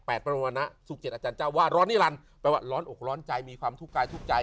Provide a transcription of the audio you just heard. ประมาณะสุขเจ็ดอาจารย์เจ้าว่าร้อนนิรันดิแปลว่าร้อนอกร้อนใจมีความทุกข์กายทุกข์ใจ